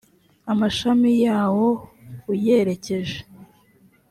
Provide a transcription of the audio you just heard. amashami yawo uyerekeje